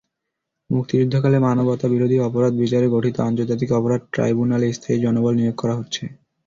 মুক্তিযুদ্ধকালে মানবতাবিরোধী অপরাধ বিচারে গঠিত আন্তর্জাতিক অপরাধ ট্রাইব্যুনালে স্থায়ী জনবল নিয়োগ করা হচ্ছে।